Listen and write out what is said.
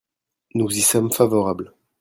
Nous y sommes favorables.